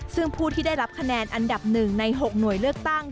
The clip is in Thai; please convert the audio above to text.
ซึ่งผู้ที่ได้รับคะแนนอันดับ๑ใน๖หน่วยเลือกตั้ง